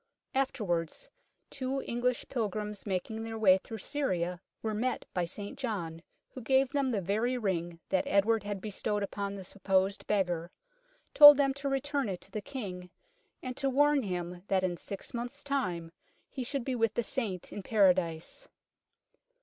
Afterwards two English pilgrims making their way through Syria were met by St John, who gave them the very ring that Edward had bestowed upon the supposed beggar, told them to return it to the King, and to warn him that in six months' time he should be with the Saint in Paradise.